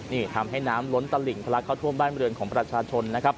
นี่ทำให้น้ำล้นตลิ่งทะลักเข้าท่วมบ้านบริเวณของประชาชนนะครับ